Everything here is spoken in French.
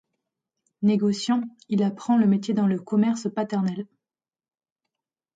Négociant, il apprend le métier dans le commerce paternel.